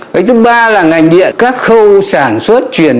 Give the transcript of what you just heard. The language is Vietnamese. cái thứ ba là ngành điện